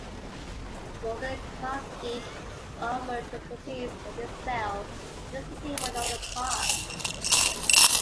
Morgan Carkeek offered the proceeds of his sale to the City for another park.